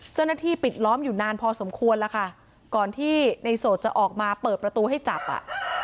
เจ้าหน้าที่ปิดล้อมอยู่นานพอสมควรแล้วค่ะก่อนที่ในโสดจะออกมาเปิดประตูให้จับอ่ะ